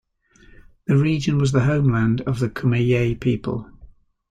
The region was the homeland of the Kumeyaay people.